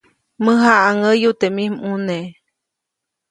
Mäjaʼaŋʼäyuʼa teʼ mij ʼmuneʼ.